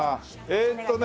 えーっとね。